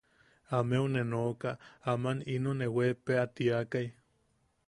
Ameu ne nooka aman ino ne weepea tiakai.